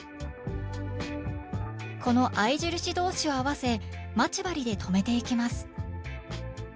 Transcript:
この合い印同士を合わせ待ち針で留めていきます